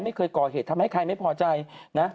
ไม่เคยก่อเหตุทำให้ใครไม่พอใจนะ